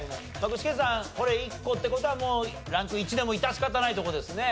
具志堅さんこれ１個って事はランク１でも致し方ないって事ですね。